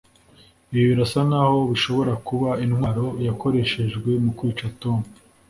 ibi birasa nkaho bishobora kuba intwaro yakoreshejwe mu kwica tom